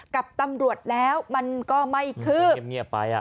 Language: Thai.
กับตำรวจแล้วมันก็ไม่คือ